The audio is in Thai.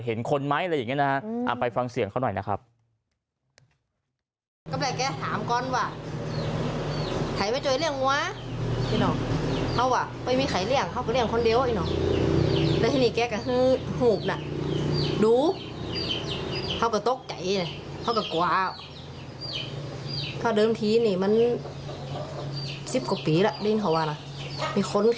เห็นคนไหมอะไรอย่างนี้นะฮะไปฟังเสียงเขาหน่อยนะครับ